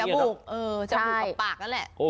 อือจมูกปากนั่นละ